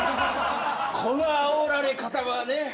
このあおられ方はね。